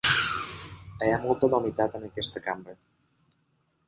Hi ha molta humitat en aquesta cambra.